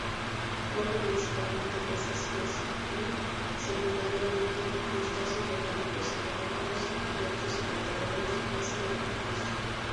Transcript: Come principalmente peces hueso y, secundariamente, crustáceos bentónicos, cefalópodos y otros invertebrado s bentónicos.